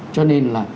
cho nên là